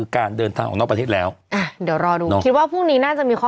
การเดินทางออกนอกประเทศแล้วอ่ะเดี๋ยวรอดูคิดว่าพรุ่งนี้น่าจะมีข้อ